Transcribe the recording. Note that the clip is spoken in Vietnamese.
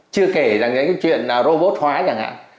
chưa kể cái chuyện robot hóa chẳng hạn